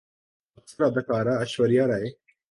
اکثر اداکارہ ایشوریا رائے